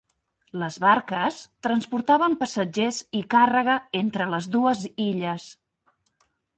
Les barques transportaven passatgers i càrrega entre les dues illes.